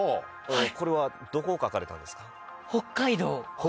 これはどこを描かれたんですか？